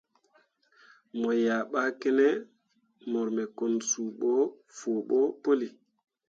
Mo yea ɓa kene mor me kwan suu ɓo fuo ɓo pəlli.